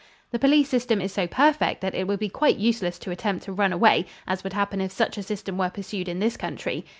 The police system is so perfect that it would be quite useless to attempt to run away, as would happen if such a system were pursued in this country.